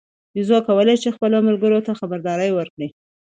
بیزو کولای شي خپلو ملګرو ته خبرداری ورکړي.